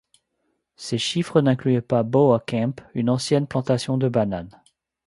Ces chiffres n'incluaient pas Boa Camp, une ancienne plantation de bananes.